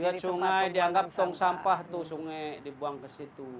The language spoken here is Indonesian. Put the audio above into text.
lihat sungai dianggap tong sampah tuh sungai dibuang ke situ